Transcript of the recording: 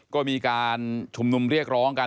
ก็มีการชุมนุมเรียกร้องกัน